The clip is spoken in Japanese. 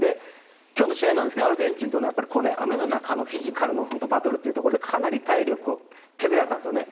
きょうの試合なんですけれども、アルゼンチンとのね、やっぱり雨の中のフィジカルの本当、バトルというところでかなり体力を削られたんですよね。